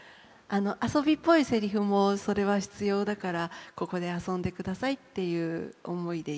遊びっぽいセリフもそれは必要だからここで遊んでくださいという思いでいて。